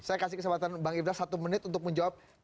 saya kasih kesempatan bang ibrah satu menit untuk menjawab